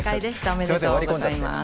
おめでとうございます。